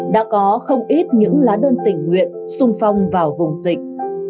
đã có không ít những lá đơn tình nguyện sung phong vào vùng dịch